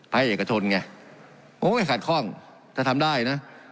ให้เอกทนไงผมก็ไม่ขาดข้องถ้าทำได้น่ะ